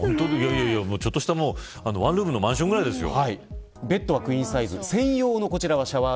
ちょっとした、ワンルームのマンションくらいですよ。